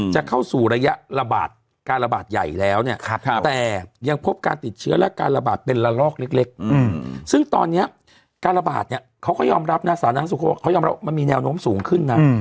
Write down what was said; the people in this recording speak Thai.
จะเข้าสู่ระยะระบาดการระบาดใหญ่แล้วเนี่ยแต่ยังพบการติดเชื้อและการระบาดเป็นละลอกเล็กซึ่งตอนนี้การระบาดเนี่ยเขาก็ยอมรับนะสาธารณสุขเขาบอกเขายอมรับมันมีแนวโน้มสูงขึ้นนะ